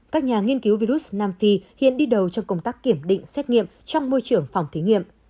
các nhà nghiên cứu virus nam phi hiện đi đầu trong công tác kiểm định xét nghiệm trong môi trường phòng thí nghiệm